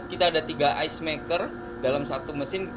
kita ada tiga ice maker dalam satu mesin